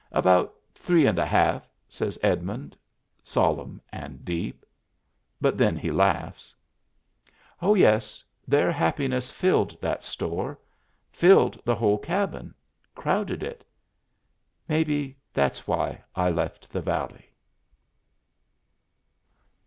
"About three and a half," says Edmund, solemn and deep. But then he laughs. Oh, yes, their happiness filled that store, filled the whole cabin, crowded it. Maybe that's why I left the valley.